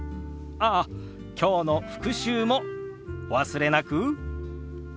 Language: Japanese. ああきょうの復習もお忘れなく。